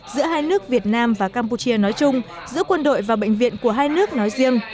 giữa hai nước việt nam và campuchia nói chung giữa quân đội và bệnh viện của hai nước nói riêng